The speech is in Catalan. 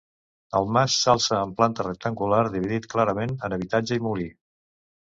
El mas s'alça en planta rectangular dividit clarament en habitatge i molí.